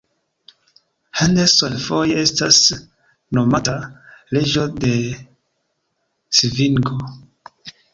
Henderson foje estas nomata „Reĝo de svingo“.